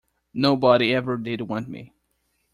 Nobody ever did want me.